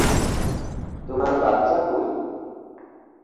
তোমার বাচ্চা কই?